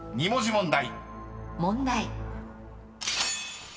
問題。